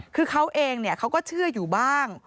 คือเขาเองเขาก็เชื่ออยู่บ้าง